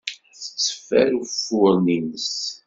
Tetteffer uffuren-is.